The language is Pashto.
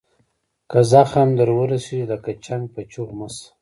که زخم در ورسیږي لکه چنګ په چیغو مه شه.